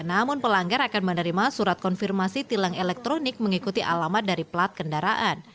namun pelanggar akan menerima surat konfirmasi tilang elektronik mengikuti alamat dari plat kendaraan